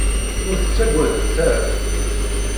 Ur t-ttagadent ara.